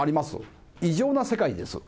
異常な世界です。